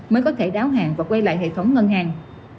mới có thể đáo hàng và quay lại hệ thống ngân hàng